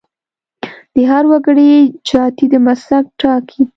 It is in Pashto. د هر وګړي جاتي د مسلک ټاکي.